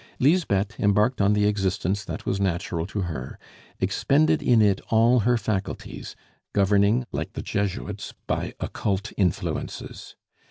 Lisbeth, embarked on the existence that was natural to her, expended in it all her faculties; governing, like the Jesuits, by occult influences.